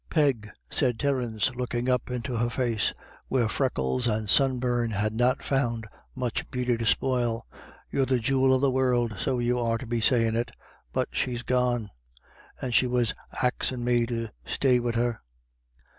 " Peg/' said Terence, looking up into her face, where freckles and sunburn had not found much beauty to spoil, " you're the jewel of the world, so you are, to be sayin' it. But she's gone — and she was axin' me to stay wid her."